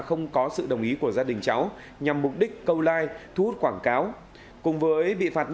không có sự đồng ý của gia đình cháu nhằm mục đích câu like thu hút quảng cáo cùng với bị phạt